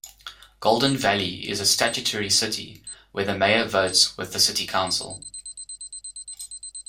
Golden Valley is a statutory city, where the Mayor votes with the City Council.